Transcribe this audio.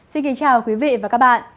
xin kính chào quý vị và các bạn